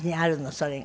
それが。